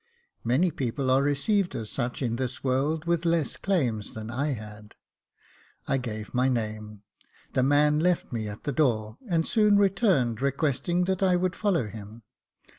Many people are received as such in this world with less claims than I had. I gave my name j the man left me at the door, and soon returned, requesting that I would follow him.